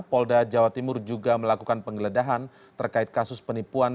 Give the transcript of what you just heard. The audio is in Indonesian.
polda jawa timur juga melakukan penggeledahan terkait kasus penipuan